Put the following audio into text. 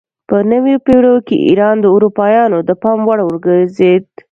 په نویو پیړیو کې ایران د اروپایانو د پام وړ وګرځید.